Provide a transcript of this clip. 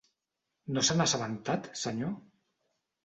No se n'ha assabentat, senyor?